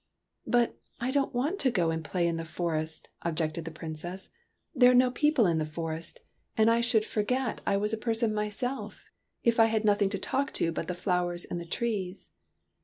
" But I don't want to go and play in the forest," objected the Princess. '' There are no people in the forest; and I should forget I 114 TEARS OF PRINCESS PRUNELLA was a person myself, if I had nothing to talk to but the flowers and the trees."